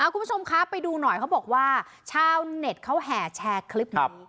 คุณผู้ชมคะไปดูหน่อยเขาบอกว่าชาวเน็ตเขาแห่แชร์คลิปนี้